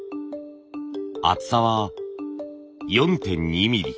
厚さは４．２ミリ。